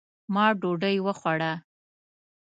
ما ډوډۍ وخوړه